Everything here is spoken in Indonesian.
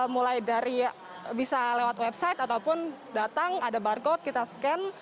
mulai dari bisa lewat website ataupun datang ada barcode kita scan